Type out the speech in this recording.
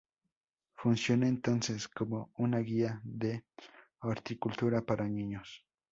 Funciona, entonces, como una guía de horticultura para niños.